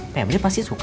febri pasti suka